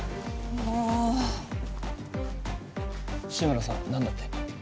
もう志村さん何だって？